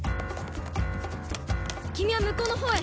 君はむこうの方へ。